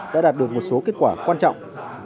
đã đạt được một số kết quả quan trọng